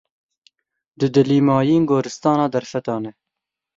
Dudilîmayîn, goristana derfetan e.